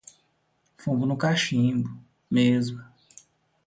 Fumo no cachimbo, mesmo!